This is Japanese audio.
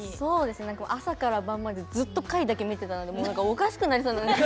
朝から晩までずっと貝だけ見てたのでおかしくなりそうで。